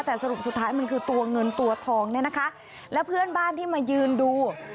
แต่สรุปสุดท้ายมันคือตัวเงินตัวทองเนี่ยนะคะและเพื่อนบ้านที่มายืนดู